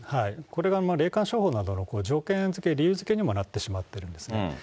これが霊感商法などの条件付け、理由付けにもなってしまってるんですね。